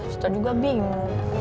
cita juga bingung